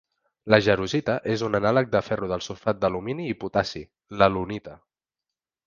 La jarosita és un anàleg de ferro del sulfat d'alumini i potassi, l'alunita.